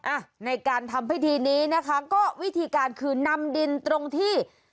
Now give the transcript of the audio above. อ่ะในการทำพิธีนี้นะคะก็วิธีการคือนำดินตรงที่